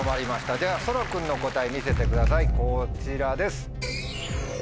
ではそら君の答え見せてくださいこちらです。